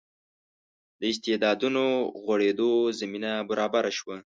د استعدادونو غوړېدو زمینه برابره شوه.